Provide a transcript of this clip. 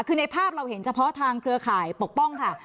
คือในภาพเราเห็นเฉพาะทางเครือข่ายปกป้องค่ะ